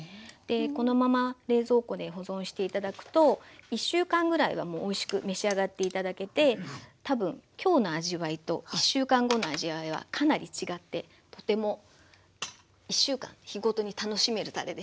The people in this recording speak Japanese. このまま冷蔵庫で保存して頂くと１週間ぐらいはもうおいしく召し上がって頂けて多分今日の味わいと１週間後の味わいはかなり違ってとても１週間日ごとに楽しめるたれですね。